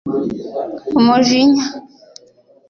umujinya »